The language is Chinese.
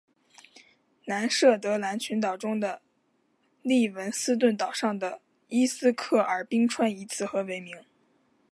南设得兰群岛中的利文斯顿岛上的伊斯克尔冰川以此河为名。